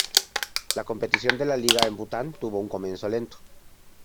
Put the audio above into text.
La competición de la liga en Bhután tuvo un comienzo lento.